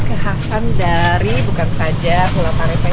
kekhasan dari bukan saja hulatarepa ini